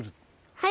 はい。